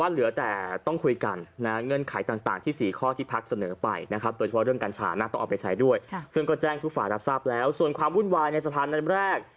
ซึ่งก็แจ้งทุกฝ่ายรับทราบแล้วส่วนความวุ่นวายในสะพานนั้นแรก